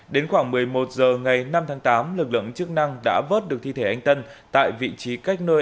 đến khoảng một mươi một h ngày năm tháng tám lực lượng chức năng đã vớt được thi thể anh tân tại vị trí cách nơi